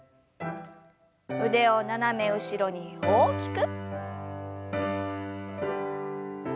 腕を斜め後ろに大きく。